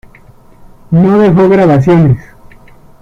No dejó grabaciones.